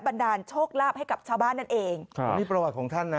บันดาลโชคลาภให้กับชาวบ้านนั่นเองครับนี่ประวัติของท่านนะ